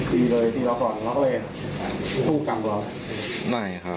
ตีเลยตีเราก่อนแล้วก็เลยสู้กันหรือเปล่า